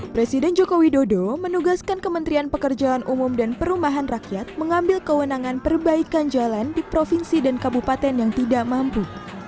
presiden joko widodo menugaskan kementerian pekerjaan umum dan perumahan rakyat mengambil kewenangan perbaikan jalan di provinsi dan kabupaten yang tidak mampu